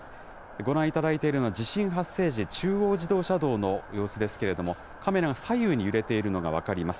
ご覧いただいているのは、地震発生時、中央自動車道の様子ですけれども、カメラが左右に揺れているのが分かります。